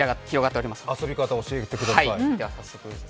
遊び方を教えてください。